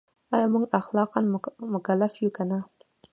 ایا موږ اخلاقاً مکلف یو که نه؟